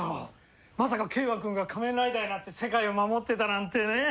まさか景和くんが仮面ライダーになって世界を守ってたなんてねえ。